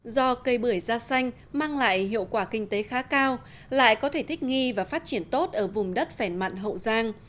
do cây bưởi da xanh mang lại hiệu quả kinh tế khá cao lại có thể thích nghi và phát triển tốt ở vùng đất phèn mặn hậu giang